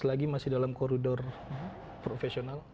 jadi lagi masih dalam koridor profesional